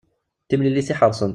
D timlilit iḥerṣen.